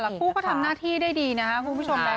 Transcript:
คู่เขาทำหน้าที่ได้ดีนะครับคุณผู้ชมนะ